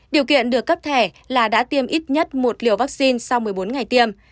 điều kiện được cấp thẻ là đã tiêm ít nhất một liều vaccine sau một mươi bốn ngày tiêm